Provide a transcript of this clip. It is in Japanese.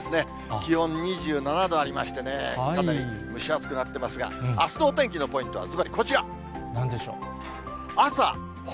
気温２７度ありましてね、かなり蒸し暑くなってますが、あすのお天気のポイントは、なんでしょう。